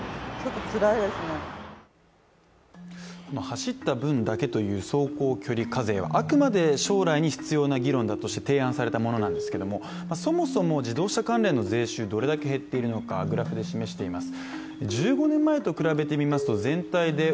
走った分だけという走行距離課税はあくまで将来に必要な議論だとして提案されたものなんですけどそもそも自動車関連の税収がどれぐらい減っているのかグラフで示しています。